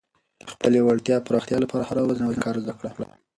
د خپلې وړتیا پراختیا لپاره هره ورځ نوی کار زده کړه.